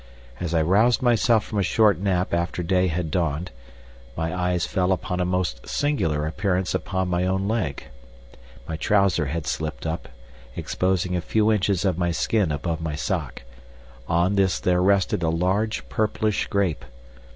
As I roused myself from a short nap after day had dawned, my eyes fell upon a most singular appearance upon my own leg. My trouser had slipped up, exposing a few inches of my skin above my sock. On this there rested a large, purplish grape.